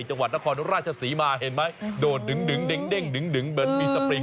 จังหวัดนครราชสีมาเห็นไหมโดดดึงเด้งเบิร์นมีสปริงเลย